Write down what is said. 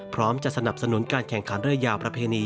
พร้อมจะสนับสนุนการแข่งขันเรือยาวประเพณี